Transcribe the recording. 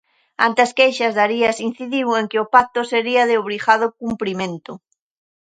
Ante as queixas, Darias incidiu en que o pacto será de obrigado cumprimento.